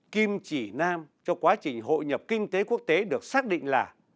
kim chỉ nam cho quá trình hội nhập kinh tế quốc tế được xác định là